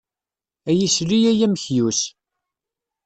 Ay isli ay amekyus.